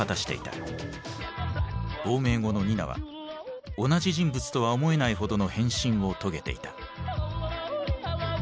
亡命後のニナは同じ人物とは思えないほどの変身を遂げていた。